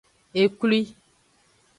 Eklwi.